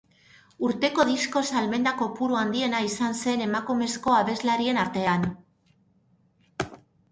Urteko disko salmenta kopuru handiena izan zen emakumezko abeslarien artean.